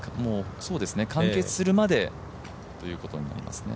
完結するまでということになりますね。